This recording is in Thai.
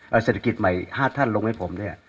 เอาเศรษฐกิจใหม่๕ท่านลงให้ผมเนี่ย